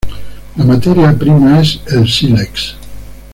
La materia prima es el sílex.